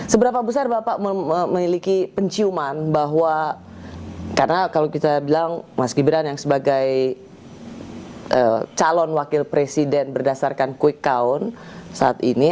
seberapa besar bapak memiliki penciuman bahwa karena kalau kita bilang mas gibran yang sebagai calon wakil presiden berdasarkan quick count saat ini